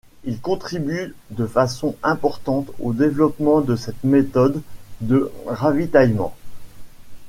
Il contribue de façon importante au développement de cette méthode de ravitaillement.